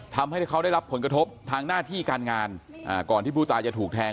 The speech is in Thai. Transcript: ทำให้เขาได้รับผลกระทบทางหน้าที่การงานก่อนที่ผู้ตายจะถูกแทง